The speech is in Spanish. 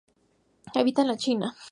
Habita en la China.